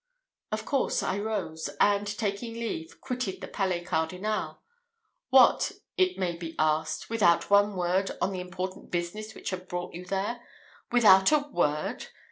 Of course I rose, and, taking leave, quitted the Palais Cardinal. What! it may be asked, without one word on the important business which had brought you there? Without a word!